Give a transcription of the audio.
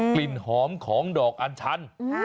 กลิ่นหอมของดอกอันชัน